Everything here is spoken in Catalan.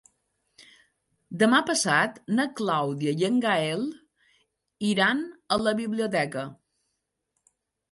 Demà passat na Clàudia i en Gaël iran a la biblioteca.